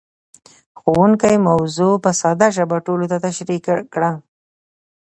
ښوونکی موضوع په ساده ژبه ټولو ته تشريح کړه.